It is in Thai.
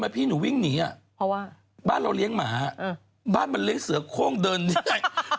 แบบว่าโสดก็เลี้ยงหมาบ้านมันเลี้ยงเสือโค้งเดินไหน